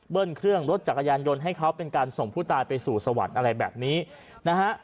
เครื่องรถจักรยานยนต์ให้เขาเป็นการส่งผู้ตายไปสู่สวรรค์อะไรแบบนี้นะฮะ